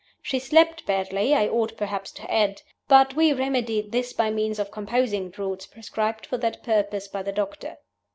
She slept badly, I ought perhaps to add. But we remedied this by means of composing draughts prescribed for that purpose by the doctor.